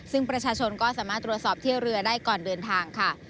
ซึ่งประชาชนก็สามารถตรวจสอบเที่ยวเรือได้ก่อนเดินทางค่ะ